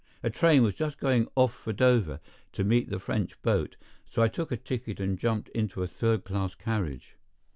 A train was just going off for Dover to meet the French boat, so I took a ticket and jumped into a third class carriage.